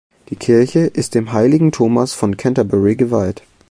Die Kirche ist dem Heiligen Thomas von Canterbury geweiht.